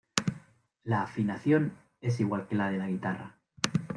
La afinación es igual que la de la guitarra.